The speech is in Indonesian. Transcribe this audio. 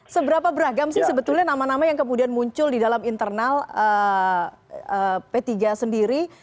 seberapa beragam sih sebetulnya nama nama yang kemudian muncul di dalam internal p tiga sendiri